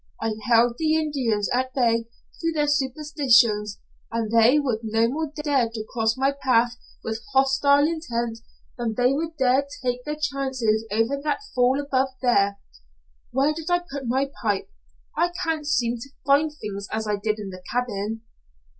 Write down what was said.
I held the Indians at bay through their superstitions, and they would no more dare to cross my path with hostile intent than they would dare take their chances over that fall above there. Where did I put my pipe? I can't seem to find things as I did in the cabin."